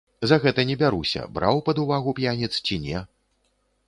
За гэта не бяруся, браў пад увагу п'яніц ці не.